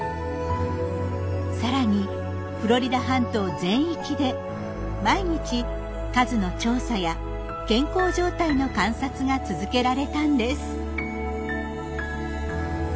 さらにフロリダ半島全域で毎日数の調査や健康状態の観察が続けられたんです。